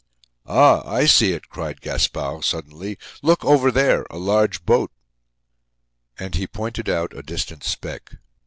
"Ah, I see it!" cried Gaspard, suddenly. "Look over there. A large boat!" And he pointed out a distant speck.